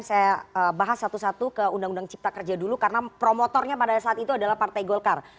saya bahas satu satu ke undang undang cipta kerja dulu karena promotornya pada saat itu adalah partai golkar